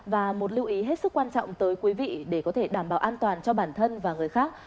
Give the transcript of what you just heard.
và một lưu ý hết sức quan trọng tới quý vị để có thể đảm bảo an toàn cho bản thân và người khác